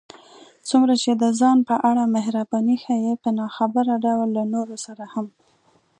څومره چې د ځان په اړه محرباني ښيې، په ناخبره ډول له نورو سره هم